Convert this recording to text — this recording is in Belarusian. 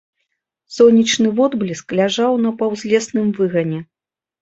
Сонечны водбліск ляжаў на паўзлесным выгане.